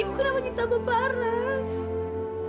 ibu kenapa cinta aku parah